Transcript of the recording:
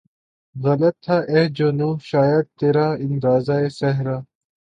غلط تھا اے جنوں شاید ترا اندازۂ صحرا